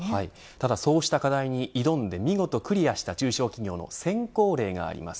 ただ、そうした課題に挑んで見事クリアした中小企業の先行例があります。